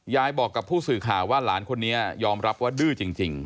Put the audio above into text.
ยายบอกกับผู้สื่อข่าวว่าหลานคนนี้ยอมรับว่าดื้อจริง